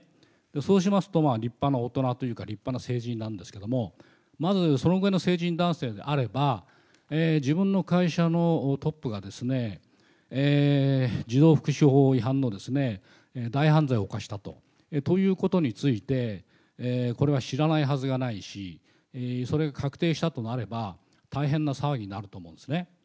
そうしますと、立派な大人というか、立派な成人なんですけれども、まず、そのぐらいの成人男性であれば、自分の会社のトップが児童福祉法違反の大犯罪を犯したということについて、これは知らないはずがないし、それが確定したとなれば、大変な騒ぎになると思うんですね。